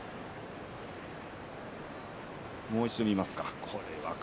もう一度、見ましょうか。